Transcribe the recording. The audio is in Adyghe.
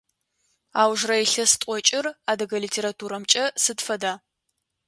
Аужрэ илъэс тӏокӏыр адыгэ литературэмкӏэ сыд фэда?